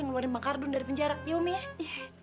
ngeluarin bang kardun dari penjara iya umi ya